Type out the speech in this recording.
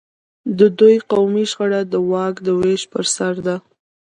د دوی قومي شخړه د واک د وېش پر سر ده.